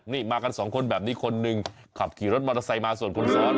นี่มากันสองคนแบบนี้คนหนึ่งขับขี่รถมอเตอร์ไซค์มาส่วนคนซ้อน